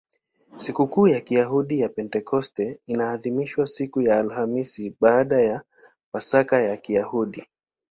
Sikukuu ya Kiyahudi ya Pentekoste inaadhimishwa siku ya hamsini baada ya Pasaka ya Kiyahudi.